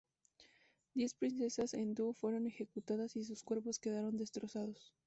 Diez princesas en Du fueron ejecutadas y sus cuerpos quedaron destrozados.